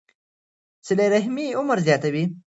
صله رحمي عمر زیاتوي.